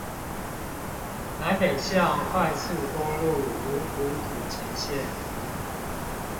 南北向快速公路五股土城線